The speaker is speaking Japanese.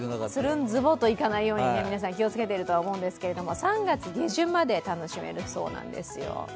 つるん、ズボといかないように皆さん気をつけていると思うんですが３月下旬まで楽しめるそうなんですよ。